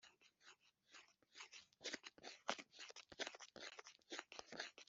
Aha ni ho ubwenge buri